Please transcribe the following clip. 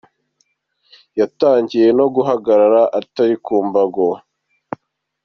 Yatangiye no guhagarara atari ku mbago.